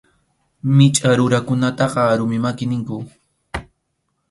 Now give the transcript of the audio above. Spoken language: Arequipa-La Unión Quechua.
Michʼa runakunataqa rumi maki ninku.